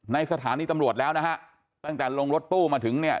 สถานีตำรวจแล้วนะฮะตั้งแต่ลงรถตู้มาถึงเนี่ย